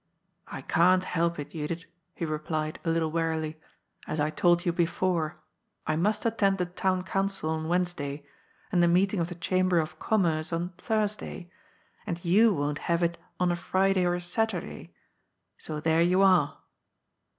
" I can't help it, Judith," he replied, a little wearily, " as I told you before. I must attend the Town Council on Wednesday, and the meeting of the Chamber of Com merce on Thursday, and you won't have it on a Friday or a Saturday ; so there you are."